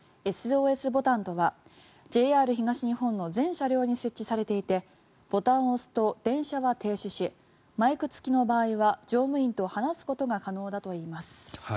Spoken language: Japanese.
ＳＯＳボタンとはＪＲ東日本の全車両に設置されていてボタンを押すと電車は停止しマイク付きの場合は乗務員と話すことが可能だといいます。